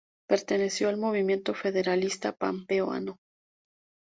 Perteneció al Movimiento Federalista Pampeano.